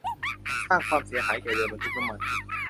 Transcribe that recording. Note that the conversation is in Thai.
สร้างความเสียหายแก่เรือบรรทุกน้ำมัน